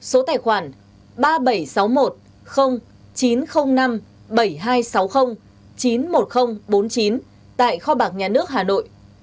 số tài khoản ba nghìn bảy trăm sáu mươi một chín trăm linh năm bảy nghìn hai trăm sáu mươi chín mươi một nghìn bốn mươi chín tại kho bạc nhà nước hà nội